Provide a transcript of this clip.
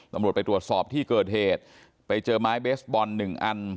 ตำรวจไปตรวจสอบที่เกิดเหตุไปเจอไม้เบสบอลหนึ่งอัน